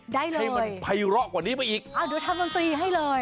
ได้เลยให้มันไพร่รอกกว่านี้ไปอีกโดยทำวงสีให้เลย